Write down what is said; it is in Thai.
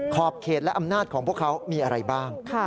ขอบเขตและอำนาจของพวกเขามีอะไรบ้าง